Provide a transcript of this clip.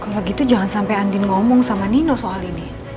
kalau gitu jangan sampai andin ngomong sama nino soal ini